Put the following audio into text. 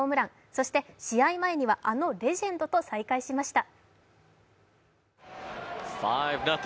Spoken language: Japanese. そして試合前にはあのレジェンドと再会しました。